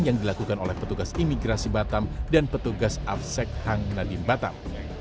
yang dilakukan oleh petugas imigrasi batam dan petugas afsek hang nadine batam